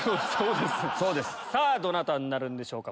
さぁどなたになるんでしょうか。